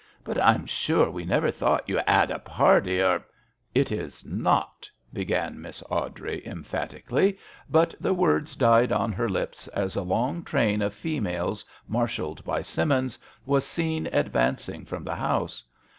But I'm sure we never thought you 'ad a party, or— "It is not," began Miss Awdrey, emphatically, but the words died on her lips as a long train of females marshalled by Simmins was seen advancing from the house.